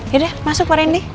yaudah masuk pak randy